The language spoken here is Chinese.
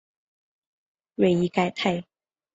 瑞伊盖泰。